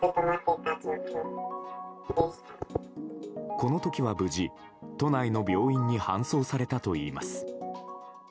この時は無事、都内の病院に搬送されたといいます。